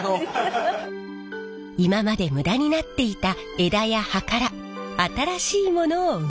今まで無駄になっていた枝や葉から新しいものを生み出す。